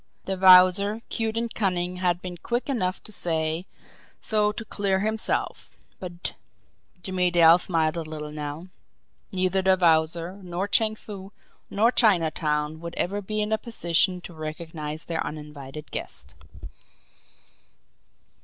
The Wowzer, cute and cunning, had been quick enough to say so to clear himself, but Jimmie Dale smiled a little now neither the Wowzer, nor Chang Foo, nor Chinatown would ever be in a position to recognise their uninvited guest!